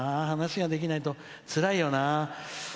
話ができないとつらいよな。